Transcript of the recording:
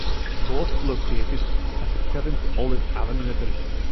Both located at the current Olive Avenue address.